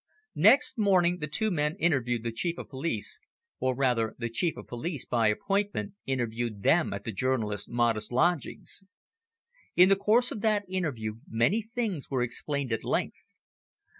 Next morning the two men interviewed the Chief of Police, or rather the Chief of Police, by appointment, interviewed them at the journalist's modest lodgings. In the course of that interview many things were explained at length.